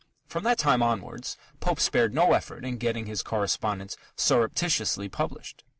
From that time onwards Pope spared no effort in getting his correspondence "surreptitiously" published.